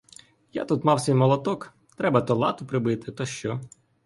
Я тут мав свій молоток — треба то лату прибити, то що.